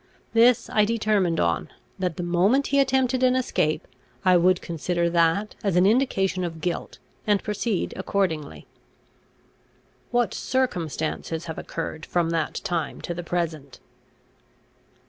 This I determined on, that the moment he attempted an escape, I would consider that as an indication of guilt, and proceed accordingly." "What circumstances have occurred from that time to the present?"